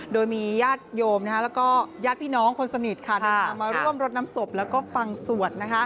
โดยมีญาติโยมแล้วก็ญาติพี่น้องคนสนิทเดินทางมาร่วมรดน้ำศพแล้วก็ฟังสวด